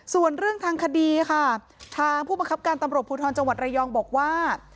ส่วนเรื่องทางคดีค่ะทางผู้บังคับการตำรวจภูทรจังหวัดระยองบอกว่า